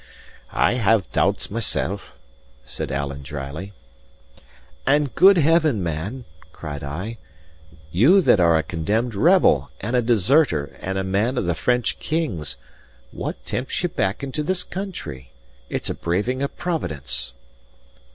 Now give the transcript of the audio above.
"I have doubts mysel'," said Alan drily. "And, good heaven, man," cried I, "you that are a condemned rebel, and a deserter, and a man of the French King's what tempts ye back into this country? It's a braving of Providence."